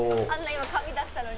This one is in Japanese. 今紙出したのに？